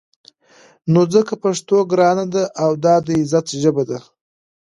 نو ځکه پښتو ګرانه ده او دا د عزت ژبه ده.